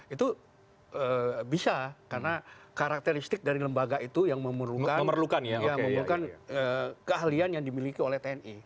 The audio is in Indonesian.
itu bisa karena karakteristik dari lembaga itu yang memerlukan keahlian yang dimiliki oleh tni